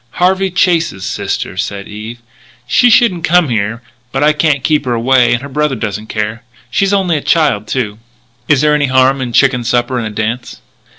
"Harvey Chase's sister," said Eve. "She shouldn't come here, but I can't keep her away and her brother doesn't care. She's only a child, too." "Is there any harm in a chicken supper and a dance?"